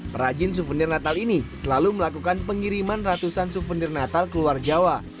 perajin suvenir natal ini selalu melakukan pengiriman ratusan suvenir natal keluar jawa